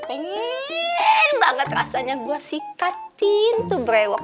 pengen banget rasanya gue sikatin tuh berewok